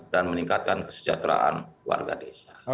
dan meningkatkan kesejahteraan warga desa